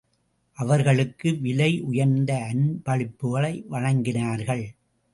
அவர்களுக்கு விலையுயர்ந்த அன்பளிப்புகளை வழங்கினார்கள்.